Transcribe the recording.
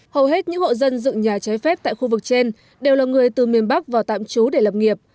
hầu hết những hộ dân dựng nhà trái phép tại khu vực trên đều là người từ miền bắc vào tạm trú để lập nghiệp